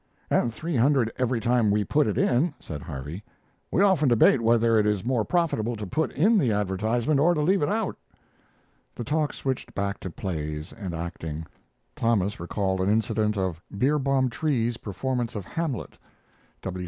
"And three hundred every time we put it in," said Harvey. "We often debate whether it is more profitable to put in the advertisement or to leave it out." The talk switched back to plays and acting. Thomas recalled an incident of Beerbohm Tree's performance of "Hamlet."